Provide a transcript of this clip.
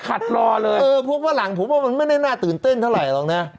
รอเลยเออพบว่าหลังผมว่ามันไม่ได้น่าตื่นเต้นเท่าไหรหรอกนะ